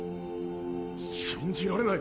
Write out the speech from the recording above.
信じられない。